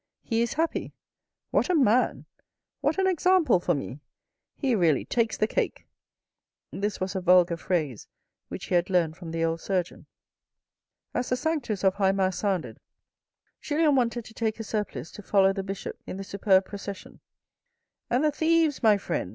" He is happy. What a man ! What an example for me ! He really takes the cake." (This was a vulgar phrase which he had learned from the old surgeon). As the sanctus of high mass sounded, Julien wanted to take a surplice to follow the bishop in the superb procession " And the thieves, my friend